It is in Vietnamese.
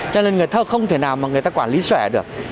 cho nên người thơ không thể nào mà người ta quản lý sẻ được